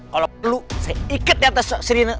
kalau perlu saya ikat di atas seri ini